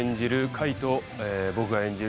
海と僕が演じる